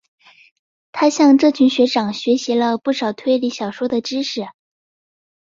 他向这群学长学习了不少推理小说的知识。